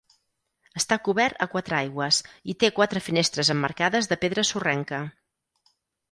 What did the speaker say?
Està cobert a quatre aigües i té quatre finestres emmarcades de pedra sorrenca.